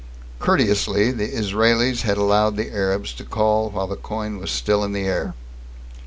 Courteously, the Israelis had allowed the Arabs to call while the coin was still in the air.